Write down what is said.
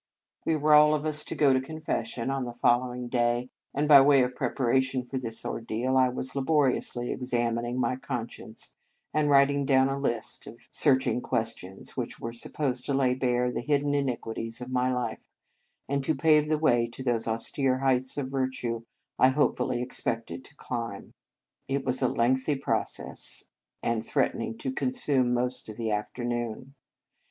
We were all of 82 In Retreat us to go to confession on the follow ing day; and, by way of preparation for this ordeal, I was laboriously ex amining my conscience, and writing down a list of searching questions, which were supposed to lay bare the hidden iniquities of my life, and to pave the way to those austere heights of virtue I hopefully expected to climb. It was a lengthy process, and threatened to consume most of the afternoon.